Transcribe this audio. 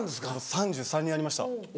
３３になりました。